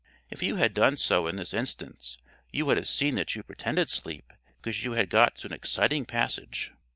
If you had done so in this instance, you would have seen that you pretended sleep because you had got to an exciting passage.